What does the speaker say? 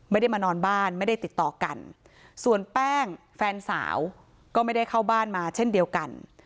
ไม่ได้มานอนบ้านไม่ได้ติดต่อกันส่วนแป้งแฟนสาวก็ไม่ได้เข้าบ้านมาเช่นเดียวกัน